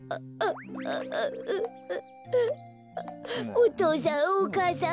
お父さんお母さん